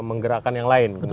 menggerakkan yang lain